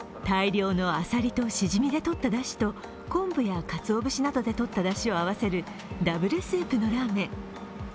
大量のあさりとしじみでとっただしと昆布やかつおぶしなどでとっただしを合わせるダブルスープのラーメン。